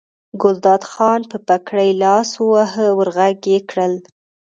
ګلداد خان په پګړۍ لاس وواهه ور غږ یې کړل.